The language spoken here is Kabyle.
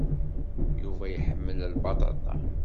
Yuba iḥemmel lbaṭaṭa.